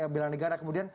belan negara kemudian